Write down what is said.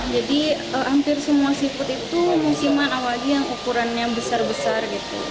jadi hampir semua seafood itu musiman awal yang ukurannya besar besar